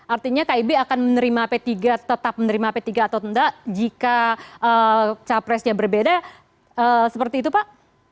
artinya kib akan menerima p tiga tetap menerima p tiga atau tidak jika capresnya berbeda seperti itu pak